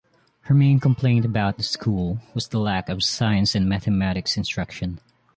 Her main complaint about the school was the lack of science and mathematics instruction.